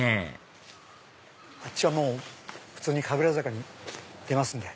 あっちはもう普通に神楽坂に出ますね。